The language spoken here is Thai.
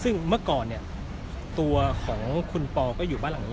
ซึ่งเมื่อก่อนตัวของคุณปอก็อยู่บ้านหลังนี้